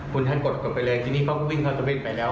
คุณท่านกดกบไปเลยทีนี้เขาก็วิ่งเขาจะวิ่งไปแล้ว